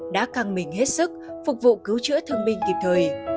đã căng mình hết sức phục vụ cứu chữa thương binh kịp thời